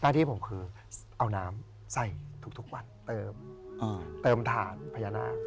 หน้าที่ให้ผมคือเอาน้ำใส่ทุกวันเติมฐานพญานาค